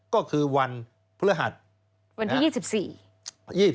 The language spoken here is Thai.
ก็คือวันพฤษฐภรรย์วันที่๒๔ใช่ไหม